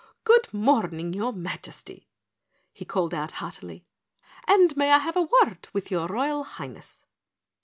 "Good morning, your Majesty!" he called out heartily. "And may I have a word with your Royal Highness?"